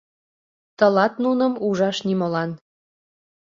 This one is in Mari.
— Тылат нуным ужаш нимолан.